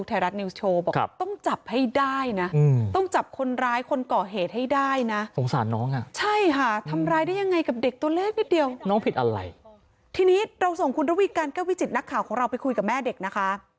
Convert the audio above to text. ทีนี้เราส่งคุณลับวีกัลเก้าวิจิตนักข่าวของเราไปคุยกับแม่เด็กนะคะ